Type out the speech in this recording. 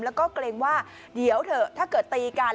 แล้วก็เกรงว่าเดี๋ยวเถอะถ้าเกิดตีกัน